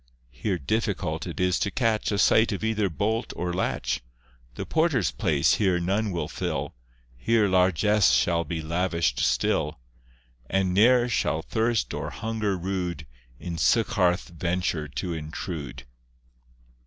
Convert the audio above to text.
Here difficult it is to catch A sight of either bolt or latch; The porter's place here none will fill; Here largess shall be lavish'd still, And ne'er shall thirst or hunger rude In Sycharth venture to intrude.